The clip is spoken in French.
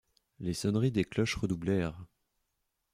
Les sonneries des cloches redoublèrent.